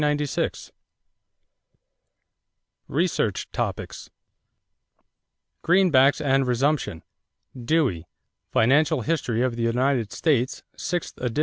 =Research Topics= =Greenbacks and Resumption.= Dewey, Financial History of the United States (6th ed.)